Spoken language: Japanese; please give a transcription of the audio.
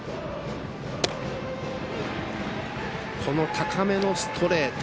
高めのストレート。